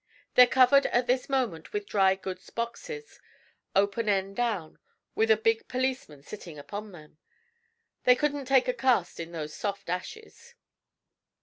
They're covered at this moment with dry goods boxes, open end down, with a big policeman sitting upon them. They couldn't take a cast in those soft ashes.'